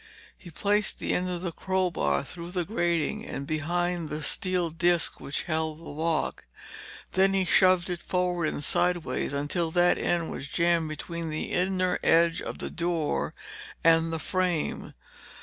He placed the end of the crowbar through the grating and behind the steel disk which held the lock. Then he shoved it forward and sideways until that end was jammed between the inner edge of the door and the frame.